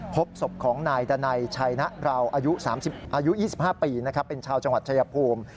พบศพของนายดันัยชัยนะเราอายุ๒๕ปีเป็นชาวจังหวัดชายภูมิ